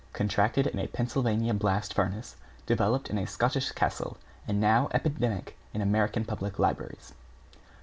Contracted in a Pennsylvania blast furnace, developed in a Scotch castle and now epidemic in American public libraries.